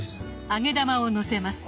揚げ玉をのせます。